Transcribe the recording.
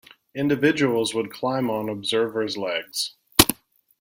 Individuals would climb on observer's legs.